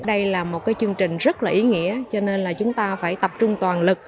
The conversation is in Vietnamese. đây là một cái chương trình rất là ý nghĩa cho nên là chúng ta phải tập trung toàn lực